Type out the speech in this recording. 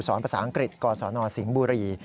สอนภาษาอังกฤษกรสนสิงห์บูรี